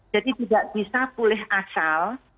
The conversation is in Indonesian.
jadi tidak bisa pulih asal